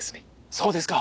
そうですか。